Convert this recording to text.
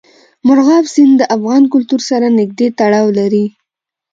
مورغاب سیند د افغان کلتور سره نږدې تړاو لري.